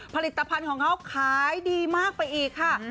ผลิตภัณฑ์ของเขาขายดีมากไปอีกค่ะ